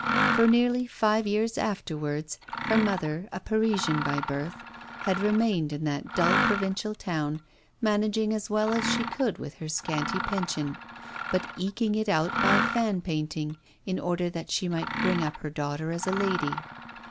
For nearly five years afterwards, her mother, a Parisian by birth, had remained in that dull provincial town, managing as well as she could with her scanty pension, but eking it out by fan painting, in order that she might bring up her daughter as a lady.